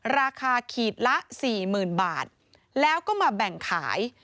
ราคาขีดละ๔๐๐๐บาทแล้วก็มาแบ่งขาย